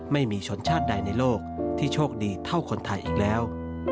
ไม่มีชนชาติใดในโลกที่โชคดีเท่าคนไทยอีกแล้ว